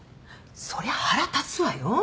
そりゃ腹立つわよ？